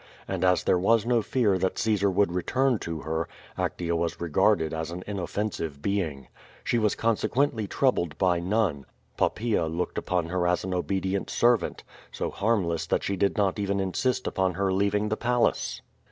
And as there was no fear that Caesar would re turn to her, Actea was regarded as an inoffensive being. She was consequently troubled by none. Poppaea looked upon her as an obedient servant, so harmless that she did not even insist upon her leaving the palace.